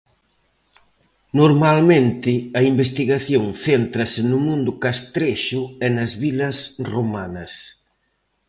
Normalmente a investigación céntrase no mundo castrexo e nas vilas romanas.